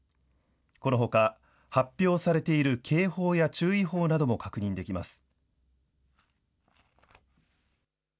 このほか発表されている警報や注意報なども確認できます。